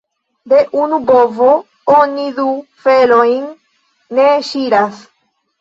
De unu bovo oni du felojn ne ŝiras.